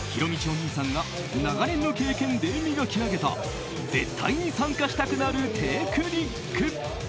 お兄さんが長年の経験で磨き上げた絶対に参加したくなるテクニック。